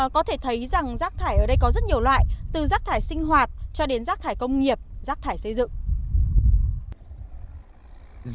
có thể thấy rằng rác thải ở đây có rất nhiều loại từ rác thải sinh hoạt cho đến rác thải công nghiệp rác thải xây dựng